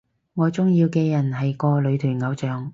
我鍾意嘅人係個女團偶像